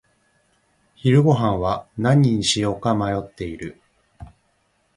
昼ごはんは何にしようか迷っている。